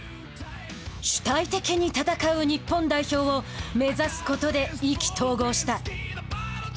主体的に戦う日本代表を目指すことで意気投合した。